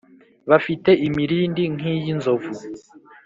bafite imirindi nki yi nzovu